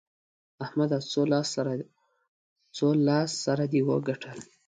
احمده! څو لاس سره دې وګټل؟